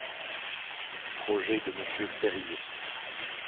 Projet de Monsieur Périer.